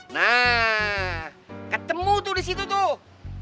nah ketemu tuh di situ tuh